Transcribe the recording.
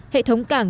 hệ thống cảng